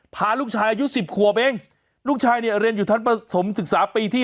พาลูกชายอายุ๑๐ขวบเองลูกชายเนี่ยเรียนอยู่ชั้นประสมศึกษาปีที่